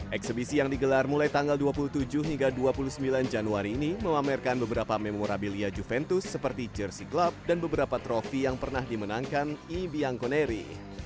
eksebisi yang digelar mulai tanggal dua puluh tujuh hingga dua puluh sembilan januari ini memamerkan beberapa memorabilia juventus seperti jersey club dan beberapa trofi yang pernah dimenangkan ibi angkoneri